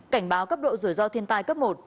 cảnh báo cấp độ rủi ro thiên tai cấp một